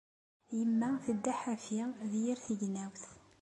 Yemma tedda ḥafi di yir tignawt.